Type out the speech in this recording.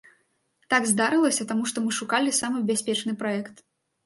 Так здарылася, таму што мы шукалі самы бяспечны праект.